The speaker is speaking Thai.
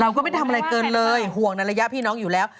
ก็ไม่ทำอะไรเกินเลยห่วงในระยะพี่น้องอยู่แล้ว